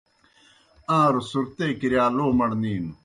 آن٘روْ صُرتے کِرِیا لو مڑنینوْ۔